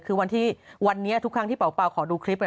คือวันที่วันนี้ทุกครั้งที่เป่าขอดูคลิป